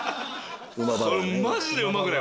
マジでうまくない？